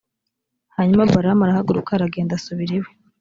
hanyuma balamu arahaguruka aragenda asubira iwe